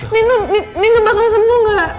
nino nino bakal sembuh gak